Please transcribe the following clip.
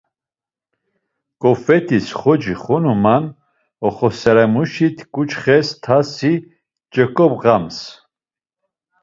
Ǩofet̆is xoci xonuman, oxasuremuşitik ǩuçxes tasi ç̌eǩobğams.